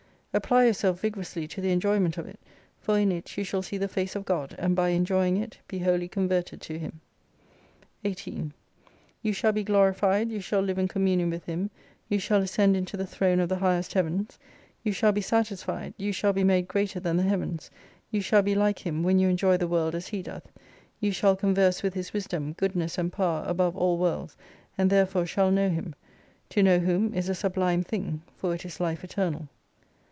Apply yourself vigorously to the enjoyment of it, for in it you shall see the face of God, and by enjoying it, be wholly converted to Him. 18 You shall be glorified, you shall live in communion with Him, you shall ascend into the Throne of the highest Heavens ; you shall be satisfied, you shall be made greater than the Heavens, you shall be like Him, when you enjoy the world as He doth ; you shall converse with His wisdom, goodness, and power above all worlds, and therefore shall know Him. To know Whom is a sublime thing ; for it is Life Eternal.